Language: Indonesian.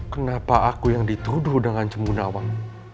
kenapa aku yang dituduh dengan jembuna om